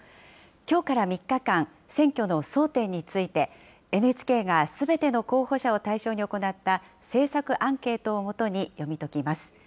きょうから３日間、選挙の争点について、ＮＨＫがすべての候補者を対象に行った政策アンケートを基に読み解きます。